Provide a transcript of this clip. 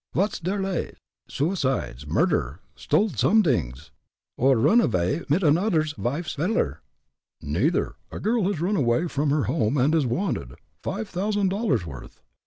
Vot's der lay suicides, murder, sdole somedings, or run avay mit anodder vife's veller?" "Neither. A girl has run away from her home, and is wanted five thousand dollars' worth.